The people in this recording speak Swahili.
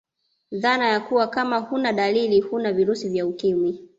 Dhana ya kuwa Kama huna dalili huna virusi vya ukimwi